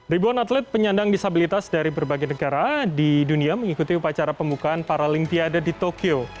ribuan atlet penyandang disabilitas dari berbagai negara di dunia mengikuti upacara pembukaan paralimpiade di tokyo